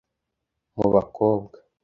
mu bakobwa